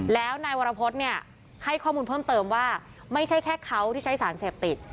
แล้วนายวรพฤษเนี่ยให้ข้อมูลเพิ่มเติมว่าไม่ใช่แค่เขาที่ใช้สารเสพติด